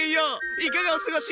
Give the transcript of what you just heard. いかがお過ごし？